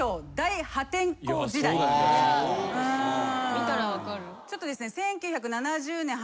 見たら分かる。